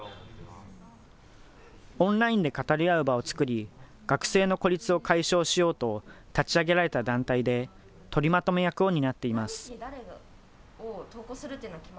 オンラインで語り合う場を作り、学生の孤立を解消しようと、立ち上げられた団体で、取りまとめ役を担っています。